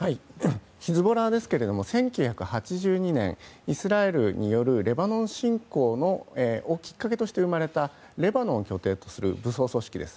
ヒズボラですけれども１９８２年イスラエルによるレバノン侵攻をきっかけとして生まれたレバノンを拠点とする武装組織です。